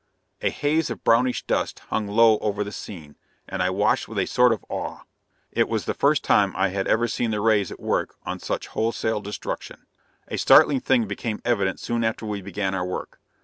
A haze of brownish dust hung low over the scene, and I watched with a sort of awe. It was the first time I had ever seen the rays at work on such wholesale destruction. A startling thing became evident soon after we began our work.